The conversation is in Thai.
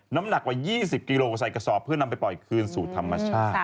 น้ำหนักกว่า๒๐กิโลใส่กระสอบเพื่อนำไปปล่อยคืนสู่ธรรมชาติ